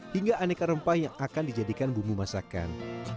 hingga aneka rempah yang akan dijadikan bumbu masakan